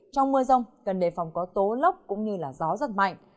trong mưa rông cần đề phòng có tố lốc cũng như gió giật mạnh